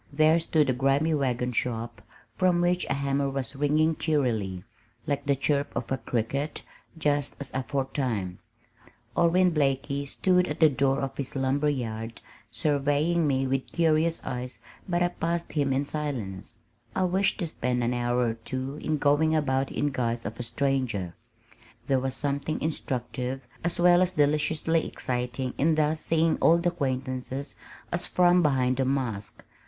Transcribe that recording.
There stood the grimy wagon shop from which a hammer was ringing cheerily, like the chirp of a cricket, just as aforetime. Orrin Blakey stood at the door of his lumber yard surveying me with curious eyes but I passed him in silence. I wished to spend an hour or two in going about in guise of a stranger. There was something instructive as well as deliciously exciting in thus seeing old acquaintances as from behind a mask.